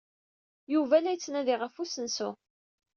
Yuba la yettnadi ɣef usensu.